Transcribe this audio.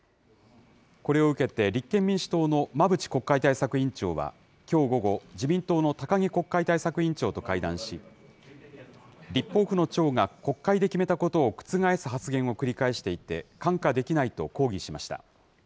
これを受けて、立憲民主党の馬淵国会対策委員長は、きょう午後、自民党の高木国会対策委員長と会談し、立法府の長が国会で決めたことを覆す発言を繰り返していて、看過できないと抗議しました。